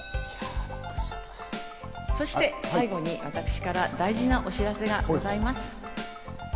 そして最後に私から大事なお知らせがございます。